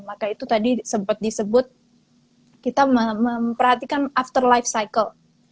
maka itu tadi sempat disebut kita memperhatikan after life cycle